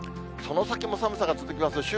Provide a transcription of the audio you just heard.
その先も寒さが続きます。